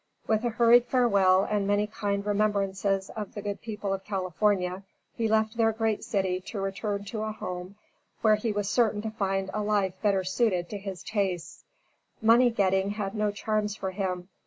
With a hurried farewell and many kind remembrances of the good people of California, he left their great city to return to a home where he was certain to find a life better suited to his tastes. Money getting had no charms for him.